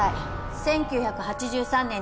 １９８３年入庁。